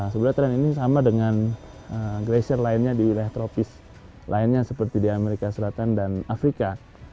sebenarnya tren ini sama dengan gracer lainnya di wilayah tropis lainnya seperti di amerika selatan dan afrika